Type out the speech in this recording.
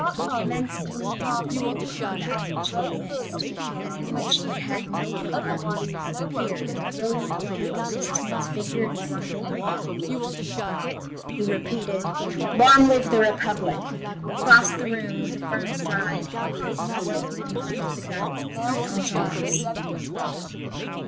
The immense gleam of the whole combat which he had missed, and in which he had had no part, appeared in the brilliant glance of the transfigured drunken man. He repeated: "Long live the Republic!" crossed the room with a firm stride and placed himself in front of the guns beside Enjolras.